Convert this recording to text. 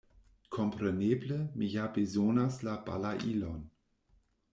Kompreneble, mi ja bezonas la balailon.